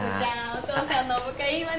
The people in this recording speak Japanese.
お父さんのお迎えいいわね。